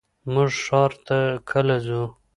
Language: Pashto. مونږ ښار ته کله ځو؟